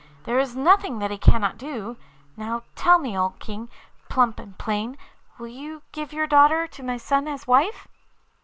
There is nothing that he cannot do. Now tell me, O King, plump and plain, will you give your daughter to my son as wife?